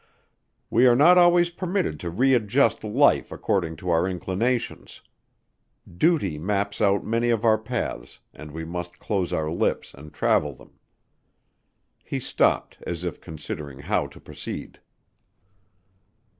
We are not always permitted to readjust life according to our inclinations. Duty maps out many of our paths and we must close our lips and travel them." He stopped as if considering how to proceed.